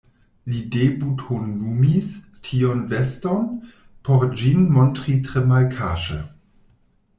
Li debutonumis tiun veston, por ĝin montri tre malkaŝe.